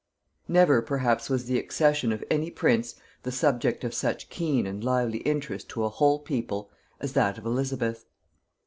Never perhaps was the accession of any prince the subject of such keen and lively interest to a whole people as that of Elizabeth.